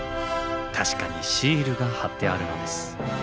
確かにシールが貼ってあるのです。